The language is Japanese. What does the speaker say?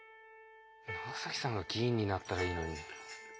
長さんが議員になったらいいのに。